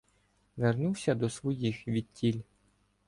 Вернувся до своїх відтіль.